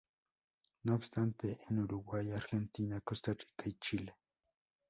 No obstante en Uruguay, Argentina, Costa Rica y Chile.